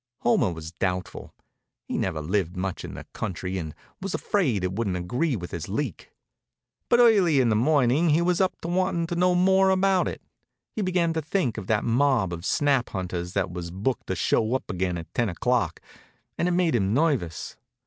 Homer was doubtful. He'd never lived much in the country and was afraid it wouldn't agree with his leak. But early in the morning he was up wantin' to know more about it. He'd begun to think of that mob of snap hunters that was booked to show up again at ten o'clock, and it made him nervous.